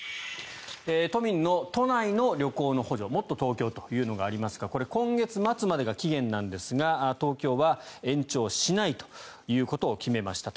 都民の都内の旅行の補助もっとＴｏｋｙｏというのがありますがこれ、今月末までが期限なんですが東京は延長しないということを決めました。